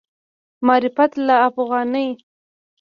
معرفت الافغاني